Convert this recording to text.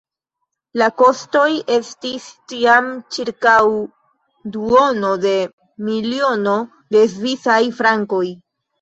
La kostoj estis tiam ĉirkaŭ duono de miliono de svisaj frankoj.